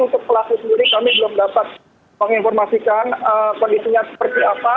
untuk pelaku sendiri kami belum dapat menginformasikan kondisinya seperti apa